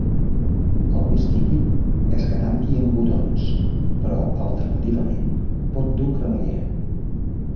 El més típic és que tanqui amb botons, però alternativament pot dur cremallera.